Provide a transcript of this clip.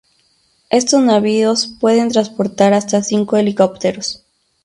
Estos navíos pueden transportar hasta cinco helicópteros.